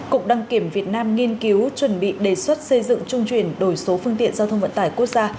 cục đăng kiểm việt nam nghiên cứu chuẩn bị đề xuất xây dựng trung chuyển đổi số phương tiện giao thông vận tải quốc gia